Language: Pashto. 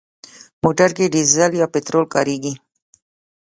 موټر کې ډيزل یا پټرول کارېږي.